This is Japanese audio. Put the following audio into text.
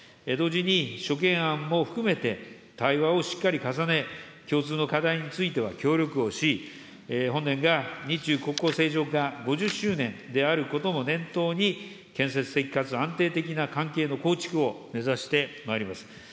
同時に、諸懸案も含めて、対話をしっかり重ね、共通の課題については協力をし、本年が日中国交正常化５０周年であることも念頭に、建設的かつ安定的な関係の構築を目指してまいります。